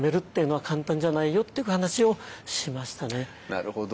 なるほど。